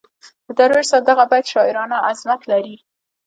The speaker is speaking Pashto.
د درویش صاحب دغه بیت شاعرانه عظمت لري.